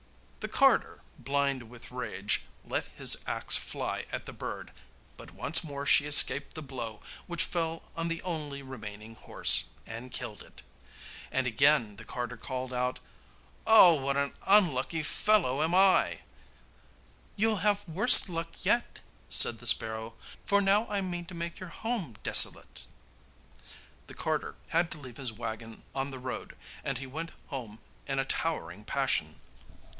The carter, blind with rage, let his axe fly at the bird; but once more she escaped the blow, which fell on the only remaining horse, and killed it. And again the carter called out: 'Oh! what an unlucky fellow I am!' 'You'll have worse luck yet,' said the sparrow, 'for now I mean to make your home desolate.' The carter had to leave his waggon on the road, and he went home in a towering passion.